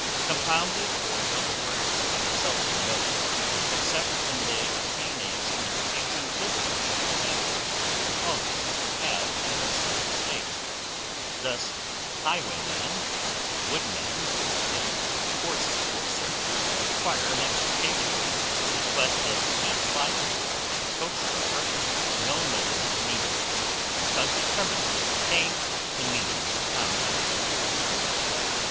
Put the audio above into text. Compounded or double words I have seldom noted, except when they obtain a signification different from that which the components have in their simple state. Thus highwayman, woodman, and horsecourser, require an explanation; but of thieflike or coachdriver no notice was needed, because the primitives contain the meaning of the compounds.